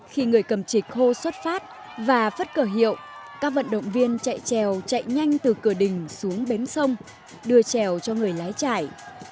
khi người cầm trịch khô xuất phát và phất cờ hiệu các vận động viên chạy trèo chạy nhanh từ cửa đình xuống bến sông đưa trèo cho người lái trải